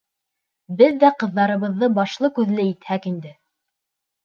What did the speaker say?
Беҙ ҙә ҡыҙҙарыбыҙҙы башлы-күҙле итһәк инде...